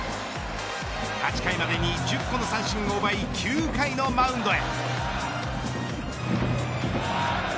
８回までに１０個の三振を奪い９回のマウンドへ。